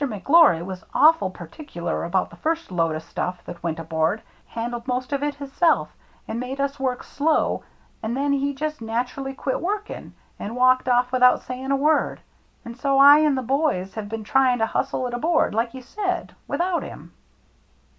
McGlory was awfol par ticular about the first load o' stuff that went aboard, handled most of it hisself, and made us work slow, an' then he just naturally quit workin' and walked off without sayin' a word, an' so I an' the boys have been tryin' to hustle it aboard, like you said, without him."